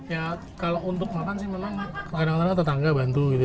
ya kalau untuk makan sih memang kadang kadang tetangga bantu gitu